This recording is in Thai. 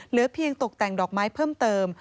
เหลือเพียงตกแต่งดอกไม้เพิ่มเติม